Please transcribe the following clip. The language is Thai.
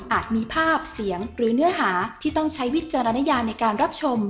มีภาพเสียงหรือเนื้อหาที่ต้องใช้วิจารณญาในการรับชม